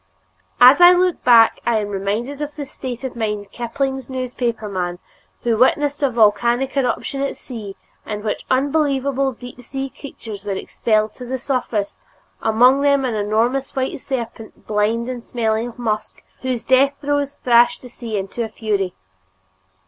As I look back, I am reminded of the state of mind of Kipling's newspapermen who witnessed a volcanic eruption at sea, in which unbelievable deep sea creatures were expelled to the surface, among them an enormous white serpent, blind and smelling of musk, whose death throes thrashed the sea into a fury.